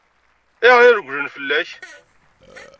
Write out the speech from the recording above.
Ayɣer i regglen fell-ak?